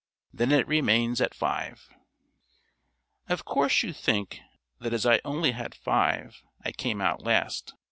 Then it remains at five." Of course you think that as I only had five, I came out last.